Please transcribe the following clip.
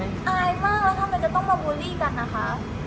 อายมากแล้วทำไมจะต้องมาบูลลี่กันนะคะ